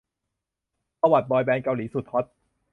ประวัติบอยแบนด์เกาหลีสุดฮอต